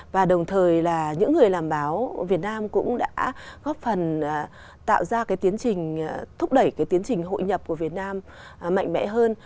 và đồng thời là những người làm báo việt nam cũng đã góp phần tạo ra cái tiến trình thúc đẩy cái tiến trình hội nhập của việt nam mạnh mẽ hơn